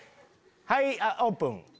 はいオープン！